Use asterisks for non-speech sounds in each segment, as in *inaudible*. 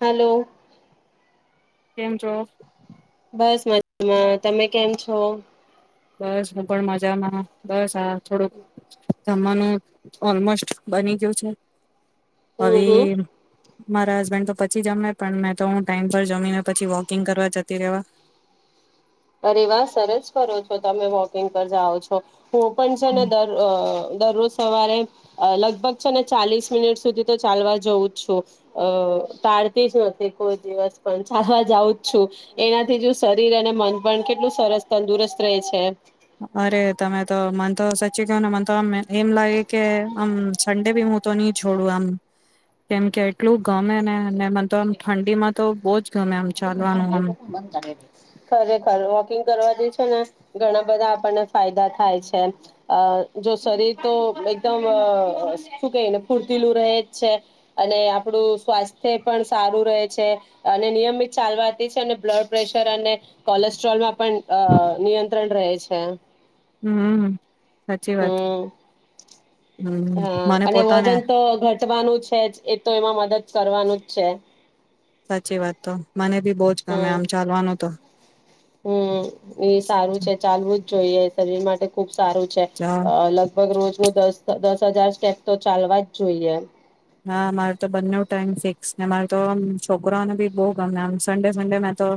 હાલો કેમ છો બસ મજામાં તમે કેમ છો બસ હું પણ મજામાં બસ આ થોડુંક જમવાનું ઓલમોસ્ટ બની ગયું છે હમ હવે હમ મારા હસબેન્ડ તો પછી જમે પણ મેં તો હું ટાઈમ પર જમીને પછી વોકિંગ કરવા જતી રેવા અરે વાહ સરસ કરો છો તમે વોકિંગ પર જાઓ છો હુ પણ છેને દર અ દરરોજ સવારે લગભગ છે ને ચાલીસ મિનિટ સુધી તો ચાલવા જવઉું જ છું અ ટાળતી જ નથી કોઈ દિવસ પણ ચાલવા જઉું જ છું એનાથી જો શરીર અને મન પણ કેટલું સરસ તંદુરસ્ત રેય છે અરે તમે તો મને તો સાચી કેવ ને મને તો આમ એમ લાગે કે આમ સડે ભી હું તો નહી છોડું આમ કેમ કે એટલું ગમે ને ને મને તો આમ ઠંડી માં તો બો જ ગમે આમ ચાલવાનું આમ *inaudible* ખરેખર વોકિંગ કરવા ઘણા બધા આપણને ફાયદા થાય છે જો શરીર તો એકદમ શું કહીને ફૂતીલું રહે જ છે અને આપણું સ્વાસ્થ્ય પણ સારું રહે છે અને નિયમિત ચાલવાતી છે અને બ્લડ પ્રેશર અને કોલેસ્ટ્રોલમાં પણ અ નિયંત્રણ રહે છે હમ સાચી વાત હમ હમ હા મને અને પોતાને વજન તો ઘટવાનું છે જ એ તો એમાં મદદ કરવાનું જ છે સાચી વાત તો મને બી બહુ જ ગમે હમ આમ ચાલવાનું તો હમ એ સારું છે ચાલવું જ જોઈએ શરીર માટે ખુબ સારું છે જા લગભગ રોજ નુ દસ દસ હજાર *unintelligible* તો ચાલવા જ જોઈએ હા મારો તો બંને ટાઈમ ફિક્સ ને મારે તો આમ છોકરાને ભી બો ગમેમ સન્ડે સન્ડે મેં તો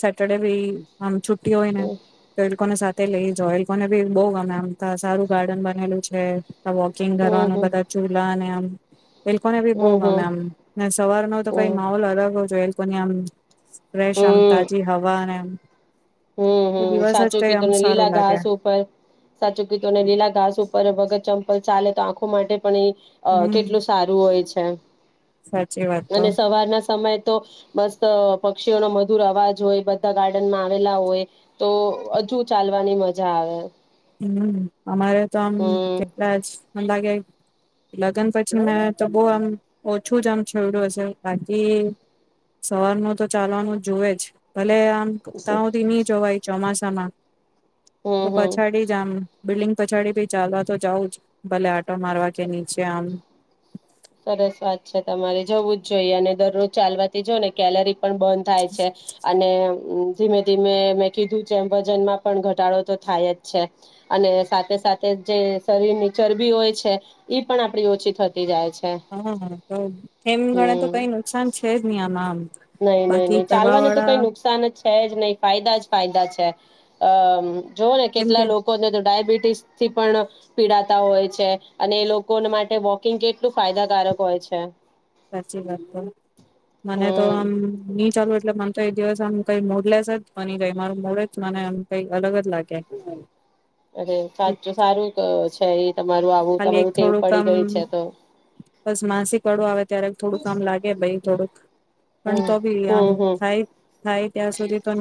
સેટરડે ભી આમ છુ ટી હોય ને હમ તો એ લોકોને સા તે લઈ જોયલકોને ભી બો ગમેમતા સારું ગાર્ડન બનેલું છે વોકિંગ હમ કરવાનું હમ બધા ચૂલા ને આમ એલ્કોને ભી બો ગમે હમ એમ ને સવાર નો તો કઈ હમ માહોલ અલગ જ હોય *unintelligible* ફ્રેશ આમ હમ તાજી હવા અનેમ હમ હમ સાચું આમ કીધુને સારું લીલા લાગે ઘાસ ઉપર સાચું કીતો ને લીલા ઘાસ ઉપર વગર ચ પલ ચાલે તો આંખો માટે પણ હમ કેટલું સારું હોય છે સાચી વાત તો અને સવારના સમય તો બસ, પક્ષીઓ નો મધુર અવાજ હોય બધા ગાર્ડનમાં. આવેલા હોય તો, હજુ ચાલવાની મજા આવે. હમ, અમારે તો આમ હમ તેટલા જ લાગે. લગ્ન પછી મે તો બહુ આમ. હું જામ છેવડું હશે. સવાર નુ તો ચાલવાનું જુવે જ ભલે. ત્યાં હમ સુધી ની જોવાય ચોમાસામાં. સલત હમ, હમ. જ આમ બિલ્ડિંગ પછાડી ભી ચાલવા તો જાઉં છુ, ભલે આટો મારવા કે નીચે આમ. સરસ વાત છે, તમારે જવું જ જોઈએ અને દરરોજ ચાલવાથી જો ને કેલરી. પણ બંધ થાય છે, અને. ધીમે ધીમે મેં કીધું જેમ વજનમાં પણ ઘટાડો તો થાય જ છે અને સાથે સાથે જે શરીરની ચરબી હોય છે, ઈ પણ આપડી ઓછી થતી જાય છે. હા તો એમ ગણે તો હમ્મ કઈ નુકસાન છે જ નહી આમાં આમ નહીં નહીં બાકી કરવા નહીં-ચાલવાનું તો વાળા કઈ નુકસાન જ છે જ નહીં ફાયદા જ ફાયદા છે. અમ જો ને, કેમ કેટલા કે લોકોને તો ડાયાબિટીસ. થી પણ પીડાતા હોય છે અને એ લોકો માટે વોકિંગ એક કેટલું ફાયદાકારક હોય છે. સાચી વાત તો મને તો આમ હમ નહીં ચાલુ એટલે મ. તો એ દિવસ આમ કંઈ મોડલેસ જ મની કંઈ મારું મોઢું મને એમ કંઈ અલગ જ લાગે. અરે, સાચું સારું છે. *unintelligible* આવું ખાલી એક તમારું ટેવ થોડું પડી કામ ગઈ આમ છે તો બસ માસિક વાળું આવે ત્યારે થોડું આમ લાગે ભઈ થોડુંક. પણ હમ તો ભી આમ હમ હમ થાય, થાય, ત્યાં સુધી તો.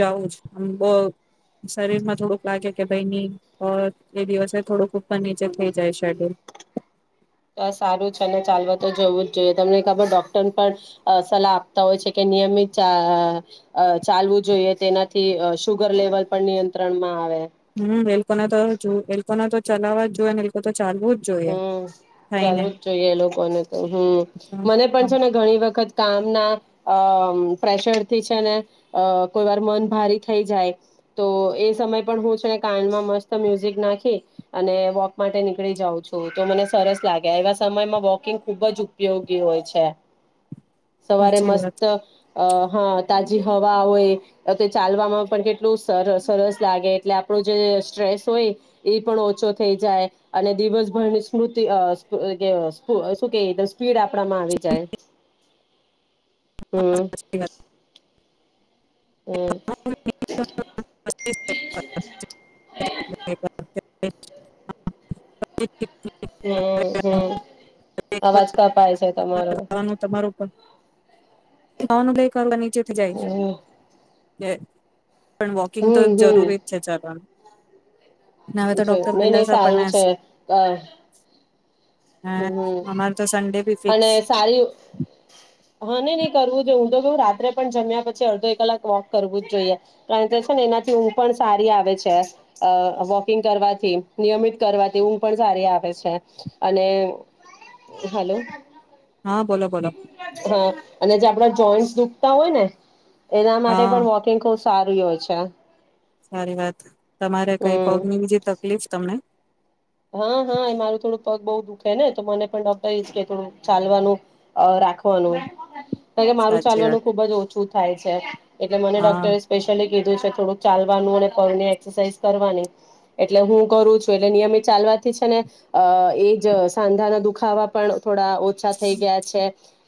જવું જ આમ, બ શરીર માં થોડુંક લાગે કે ભાઈ, ની એ દિવસે થોડુંક ઉપર-નીચે થઈ. જય શકે સારું છે, અને ચાલવા તો જોવું જ જોઈએ, તમને ખબર ડોક્ટર પણ અ સલાહ આપતા હોય છે કે નિયમિત ચા અ ચાલવું જોઈએ તેનાથી શુગર લેવલ પણ નિયંત્રણમાં આવે. હમ્મ વેલકોના તો જો એલકોને તો ચલાવવા જ જોય ને એ ચાલવું જ જોઈએ હમ્મ થાયને ચાલવુ જ જોઈએ એ લોકોને હમ્મ મને પણ છે ને ઘણી વખત કામના અ પ્રેશરથી છે ને અ કોઈ વાર મન ભારી થઈ જાય તો એ સમય પણ હું છે ને કાનમાં મસ્ત મ્યુઝિક નાખી અને વોક માટે નીકળી જાઉં છું. તો મને સરસ લાગે, એવા સમયમાં વોકિંગ ખુબ જ ઉપયોગી હોય છે. સવારે સાચી મસ્ત વાત અ હા તાજી હવા હોય તે ચાલવામાં પણ કેટલું સરસ સરસ લાગે એટલે આપણું જે સ્ટ્રેસ હોય એ પણ ઓછો થઈ જાય અને દિવસ. સ્મૃતિ સુ કે સુ કે સ્પીડ આપડામાં આવી જાય. હા, હમ સાચી વાત. હમ્મ *inaudible* *unintelligible* *unintelligible* હમ્મ હમ્મ અવાજ કપાાય. ખાવાનું તમારું પણ. *unintelligible* *unintelligible* હમ *unintelligible* પણ વોકિંગ તો હમ જરૂરી જ છે ચાલવાનું ને હવે તો ડોક્ટર મેને પેલા સારું આપણને છે અ હા હમ અમારે તો સન્ડે બી ફિક્સ અને સારી હા નઈ નઈ કરવું જોઈએ હુંતો કેવું રાત્રે પણ જમ્યા પછી અડધો એક કલાક વોક કરવું જ જોઈએ કારણ કે છે ને એનાથી ઊંઘ પણ સારી આવે છે અ વોકિંગ કરવાથી નિયમિત કરવાથી ઊંઘ પણ સારી આવે છે. અને હલો હા બોલો બોલો હા અને જે આપડા જોઈન્ટસ દુખતા હોયને એના માટે હા પણ વોકિંગ કોસ સારું એવાય છે. સારી વાત તમારે કઈ હમ પગની બીજી તક લીફ તમને હા હા એ મારું થોડુંક પગ બોઉ દુખેને તો મને પણ ડૉક્ટરે એજ કેધું ચાલવાનું અ રાખવાનું મારું સાચી ચાલવાનું વાત ખૂબ જ ઓછું થાય છે એટલે મને હા ડોક્ટરે સ્પેશ્યલી કીધું છે થોડુંક ચાલવાનું અને પગની એક્સસાઈઝ કરવાની એટલે હું કરું છું એટલે નિયમિત ચાલવાથી છે ને અ એજ સાંધાના દુખાવા પણ થોડા ઓ ઓછા થઈ ગયા છે.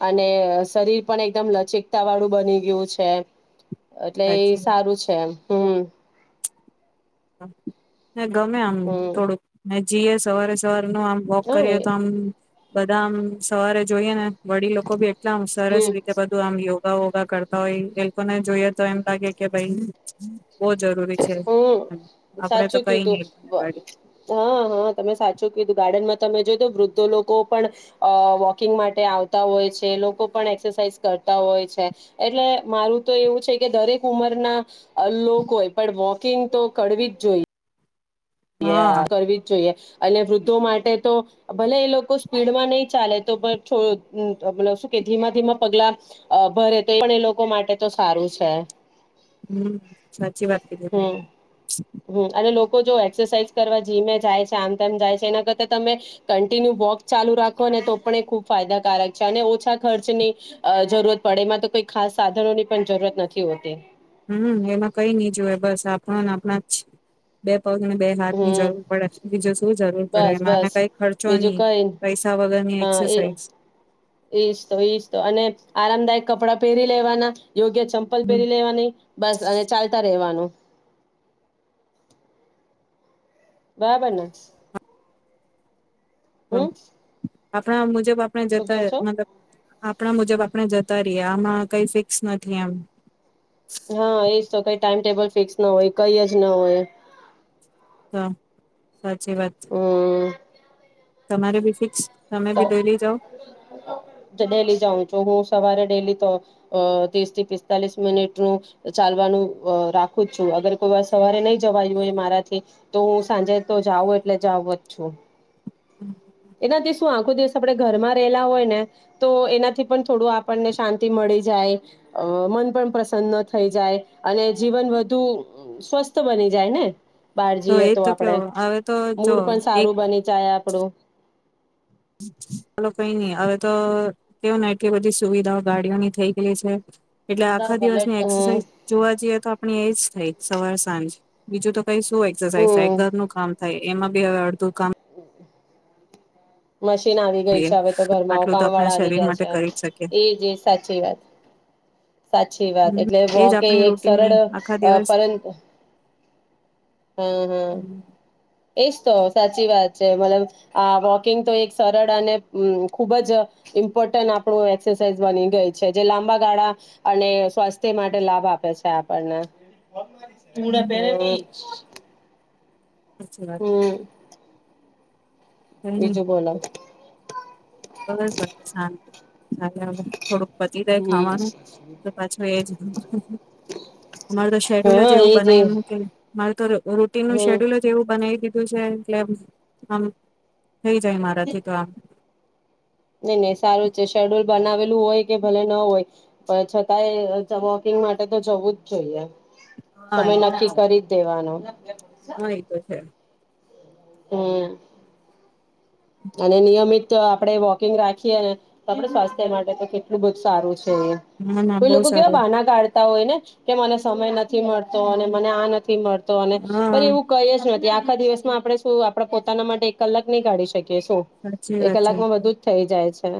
અને શરીર પણ એકદમ લચિકતાવાળું બની ગિયું છે. એટલે એ સાચી વાત સારું છે એમ હમ હા ગમે આમ હમ થોડુંક ને જીએ સવારે સવારે આમ વોક હા એ કરીએ તો આમ બધા આમ સવારે જોઈએ ને વડીલ લોકો ભી એટલા સરસ હમ રીતે બધું આમું યો યોગા વોગા કરતા હોય એ લોકોને જોઈએ તો એમ લાગે કે ભાઈ બો જરૂરી છે. આપડે તો સાચું કઈ કીધુ નઈ પણ ગાડી હા હા તમે સાચું કીધુ ગાર્ડનમાં તમે જો તો વૃદ્ધો લોકો પણ અ વોકિંગ માટે આવતા હોય છે લોકો પણ એક્સરસાઇઝ કરતા હોય છે એટલે મારું તો એવું છે કે દરેક ઉંમરના લોક હોય પણ વોકિંગ તો કરડવી જ જોઈએ હા આ કરવી જ જોઈએ અને વૃદ્ધો માટે તો ભલે એ લોકો સ્પીડમાં નહી ચાલે તો પણ શું કે ધીમા ધીમા પગલા ભરે તો એ પણ એ લોકો માટે તો સારું છે હમ્મ સાચી વાત કીધી તમે હમ હમ અને જો લોકો એ એક્સરસાઇઝ કરવા જીમે જાય છે આમ તેમ જાય છે એના કરતા તમે કન્ટિન્યુ વોક ચાલુ રાખો ને તો પણ એ ખૂબ ફાયદાકારક છે અને ઓછા ખર્ચની અ જરૂરત પડે એમાં તો કોઈ ખાસ સાધનોની પણ જરૂરત નથી હોતી હમ્મ એમાં કઈ નઈ જોએ બસ આપણને આપણા બે પગ ને બે હાથ ની હમ જરૂર પડે બીજે શું જરૂર પડે બસ એ બસ કઈ ખર્ચો બીજું નહી કઈ પૈસા વગરની હા એ એક્સરસાઇઝ એજ તો એજ તો અને આરામદાયક કપડાં પહેરી લેવાના યોગ્ય ચંપલ પહેરી હમ લેવાની બસ અને ચાલતા રહેવાનું *inaudible* બરાબરને હમ્મ આપણા મુજબ આપણે જતા મતલબ આપણા મુજબ આપણે જતા રહીએ આમાં કઈ ફિક્સ નથી એમ હા એ તો કઈ ટાઈમ ટેબલ ફિક્સ ન હોય કઈ જ ના હોય તો સાચી વાત છે હમ તમારે ભી ફિક્સ બી ડોયલી જાઓ ડેલી જાઉં છું હું સવારે ડેલી તો અ ત્રીસ થી પિસ્તાલીસ મિનિટનું ચાલવાનું અ રાખું જ છું અગર કોઈ વાર સવારે નહી જવાયું હોય મારાથી તો હું સાંજે તો જાઉ એટલે જાવ જ છું હમ્મ એનાથી શું આખો દિવસ આપણે ઘરમાં રેયલા હોય ને તો એનાથી પણ થોડું આપણને શાંતિ મળી જાય અ મન પણ પ્રસન્ન થઈ જાય અને જીવન વધુ સ્વસ્થ બની જાય ને બહાર જઈએ એ તો આપડે કેવો હવે તો જો મૂડ પણ એક સારું બની જાય આપડું ચલો કઈ નઈ હવે તો કેવું ને એટલી બધી સુવિધાઓ ગાડીઓની થય ગયે છે એટલે આખા દિવસની હમ એક્સરસાઇઝ જોવા જઈએ તો આપણી એજ થાય સવાર સાંજ બીજું તો. કંઈ શું એક્સરસાઇઝ, હમ ઘર નું કામ? થાય, એમાં બી હવે અડધું કામ. *inaudible* મશીન આવી ગઈ કરીએ છે, હવે તો ઘરમાં આટલું તો કામ આપણા વાળા આવી શરીર ગયા માટે છે. કરી જ શકીએ એજ એ સાચી વાત, સાચી વાત એટલે એજ વોક એ આપણી એક રૂટીનની સરળ આખા અ દિવસ પરંતુ. હમ્મ હમ્મ એજ તો સાચી વાત છે. મતલબ આ વોકિંગ તો એક સરળ અને ખુબ જ ઇમ્પોર્ટન્ટ આપણું એક્સરસાઇઝ બની ગઈ છે જે લાંબા ગાળા અને સ્વાસ્થ્ય માટે લાભ આપે છે આપણને. પૂડા પહેરે ની સાચી વાત હમ્મ કઈ નઈ બીજું બોલો બસ શાંતિ ચાલ્યા કરે થોડુંક પચી જાય હમ ખાવાનું તો પાછું એ જ અમારે તો શેડ્યુલ જ હા એવું એજ બનાઈ મૂકેલ માર તો રૂટીનુ હમ શેડ્યલ જ એવું બનાઈ દીધું. તું છે એટલે આમ થઈ જાય મારાથી તો આમ નહીં નહીં સારું છે શેડ્યુલ બનાવેલું હોય કે ભલે ન હોય પણ છતાંય વોકિંગ માટે તો જવું જ જોઈએ. હા સમય એ તો નક્કી છે કરી જ દેવાનો. હા એ તો છે હમ્મ. અને નિયમિત આપણેે વોકિંગ રાખીએ ને તો આપણે સ્વાસ્થ્ય માટે તો કેટલું બધું સારું છે. ના ના કોઈ બહુ લોકો કેવા સારું બહાના કાઢ હોય ને કે મને સમય નથી મળતો અને મને આ નથી મળ તો પણ હા એવું કહી જ નથી આ આખા દિવસમાં આપણે શું આપણે પોતાના માટે એક કલાક નહીં કાઢી શુ સાચી વાત છે કલાકમાં બધું જ થઈ જાય છે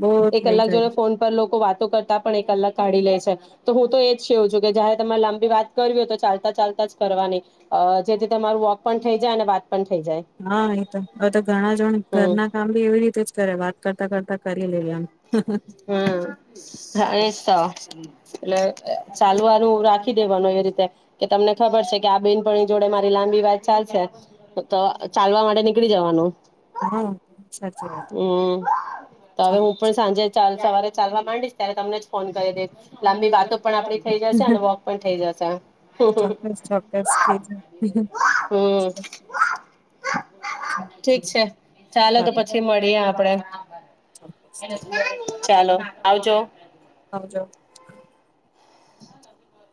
બહુ એક થઈ કલાક જોડે જાય ફોન પર લોકો વાતો કરતા પણ એક કલાક કાઢી લે છે તો હું તો એજ છે કેવું છું કે જયારે તમારે લાંબી વાત કરવી હોય તો ચાલતા-ચાલતા જ કરવાની જેથી તમારું વોક પણ થઈ જાય અને વાત પણ થઈ જાય હા એતો આવ ઘણા જણ હમ ઘરના કામ બી એવી રીતે જ કરે વાત કરતા કથા કરી લે. એમ હમ્મ, હ એ જ તો‌ એટલે ચાલવાનું રાખી દેવાનું એવી રીતે કે તમને ખબર છે કે, આ બેનપણી જોડે મારી લાંબી વાત ચાલશે તો ચાલવા માટે નીકળી જવાનું. હા, સાચી વાત. હમ તો હવે હું પણ છે સાંજે ચાલ સવારે ચાલવા માંડીશ ત્યારે તમને જ ફોન કરી દઈશ લાંબી વાતો પણ આપડી થઇ જશે અને વોક પણ થઇ જશે. ચોક્કસ ચોક્કસ ઠીક હમ્મ, ઠીક છે ચાલો તો પછી મળીએ આપ. આપણે. ચોક્કસ એને ચાલો શું ચાલો આવજો. આવજો. *inaudible*